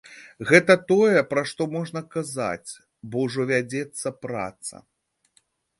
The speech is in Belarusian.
Гэта тое, пра што можна казаць, бо ўжо вядзецца праца.